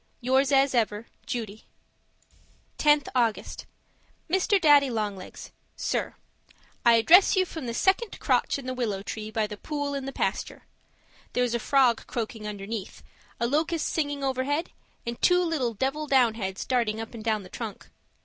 Yours as ever, Judy 10th August Mr. Daddy Long Legs, SIR: I address you from the second crotch in the willow tree by the pool in the pasture. There's a frog croaking underneath, a locust singing overhead and two little 'devil downheads' darting up and down the trunk.